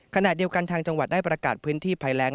ขณะเดียวกันทางจังหวัดได้ประกาศพื้นที่ภัยแรง